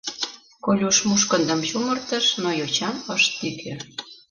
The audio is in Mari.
— Колюш мушкындым чумыртыш, но йочам ыш тӱкӧ.